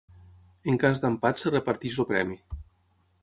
En cas d'empat es reparteix el premi.